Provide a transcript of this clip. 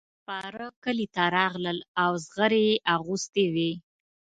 سپاره کلي ته راغلل او زغرې یې اغوستې وې.